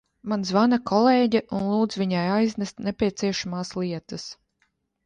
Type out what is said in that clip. Man zvana kolēģe un lūdz viņai aiznest nepieciešamās lietas.